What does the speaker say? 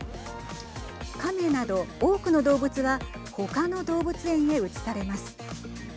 亀など、多くの動物は他の動物園へ移されます。